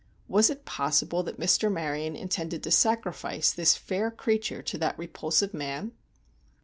Was it possible that Mr. Maryon intended to sacrifice this fair creature to that repulsive man?